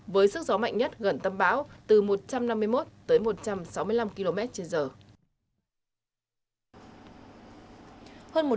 với sức gió mạnh nhất gần tâm bão từ một trăm năm mươi một tới một trăm sáu mươi năm km trên giờ